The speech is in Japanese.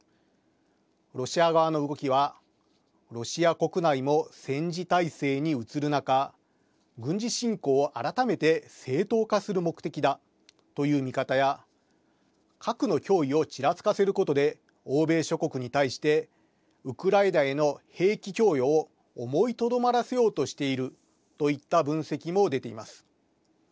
ロシア側の動きはロシア国内も戦時体制に移る中軍事侵攻を改めて正当化する目的だという見方や核の脅威をちらつかせることで欧米諸国に対してウクライナへの兵器供与を思いとどまらせようとしているといった分析も出ています。